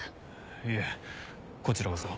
いえこちらこそ。